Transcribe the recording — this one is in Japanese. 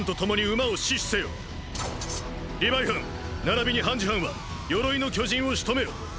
リヴァイ班並びにハンジ班は鎧の巨人を仕留めよ！！